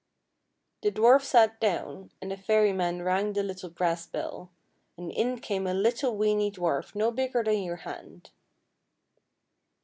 The dwarf sat down, and the fairyman rang the little brass bell, and in came a little weeny dwarf no bigger than your hand.